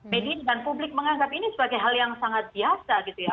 pertama kita medin dan publik menganggap ini sebagai hal yang sangat biasa gitu ya